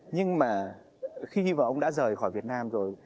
nhưng mà khi mà ông đã rời khỏi việt nam rồi